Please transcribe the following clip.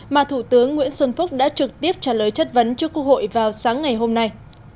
mà thủ tướng nguyễn xuân phúc đã trực tiếp trả lời chất vấn cho quốc hội vào sáng ngày hôm nay